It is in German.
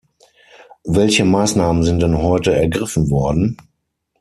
Welche Maßnahmen sind denn heute ergriffen worden?